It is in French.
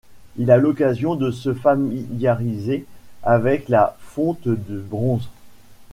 Il a l'occasion de se familiariser avec la fonte du bronze.